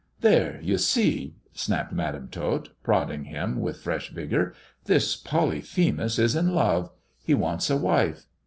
" There, you see^" snapped Madam Tot, prodding him with fresh vigour, " this Polyphemus is in love ; he wants a wife.